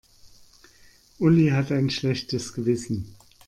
Uli hat ein schlechtes Gewissen.